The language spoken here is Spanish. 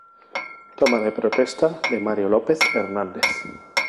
Toma de protesta de Mario López Hernández